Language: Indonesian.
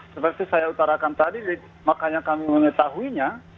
seperti saya utarakan tadi makanya kami mengetahuinya